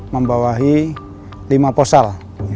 membawahi lima posal